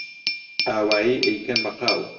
ئاوایی ئەیکەن بە قاو